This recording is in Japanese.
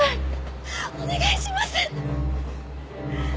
お願いします！